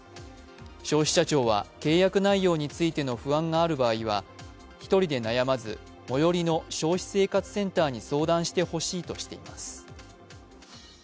消費者庁は契約内容についての不安がある場合は１人で悩まず最寄りの消費生活センターに相談してほしいとしています。